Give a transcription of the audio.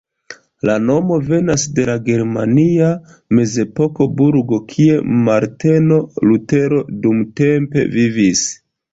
La nomo venas de la germania mezepoka burgo, kie Marteno Lutero dumtempe vivis.